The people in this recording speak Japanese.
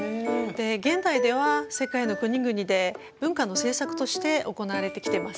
現代では世界の国々で文化の政策として行われてきてます。